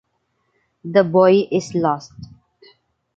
The boy is lost.